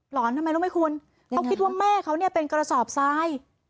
อนทำไมรู้ไหมคุณเขาคิดว่าแม่เขาเนี่ยเป็นกระสอบทราย